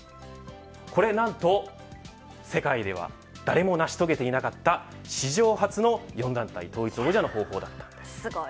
これ何と世界では誰も成し遂げていなかった史上初の４団体統一王者だったんです。